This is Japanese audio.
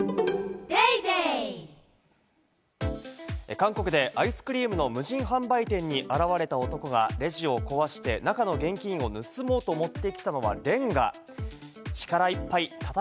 韓国でアイスクリームの無人販売店に現れた男がレジを壊して、中の現金を盗もうと持ってきたのはレンガ。